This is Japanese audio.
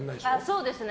そうですね。